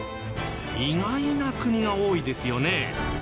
意外な国が多いですよね。